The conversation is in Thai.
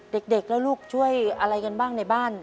เด็กแล้วลูกช่วยอะไรกันบ้างในบ้าน